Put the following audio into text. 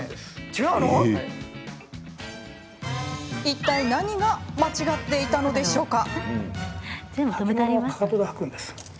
いったい何が間違っていたのでしょうか？